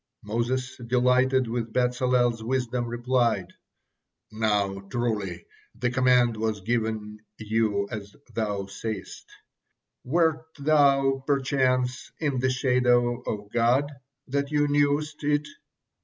Moses, delighted with Bezalel's wisdom, replied: "Now truly, the command was given just as thou sayest. Wert thou, perchance, 'in the shadow of God,' that thou knewest it?"